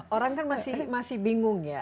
orang kan masih bingung ya